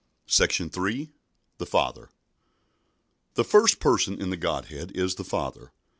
SECTION 3. THE FATHER The first Person in the Godhead is the Father.